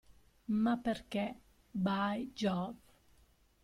Ma perché, by Jove!